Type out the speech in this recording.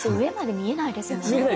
見えないですよね。